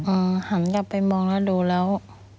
มันจอดอย่างง่ายอย่างง่ายอย่างง่าย